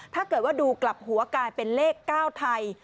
ถ้าเกิดว่าดูกลับหัวกลายเป็นเลข๙ไทย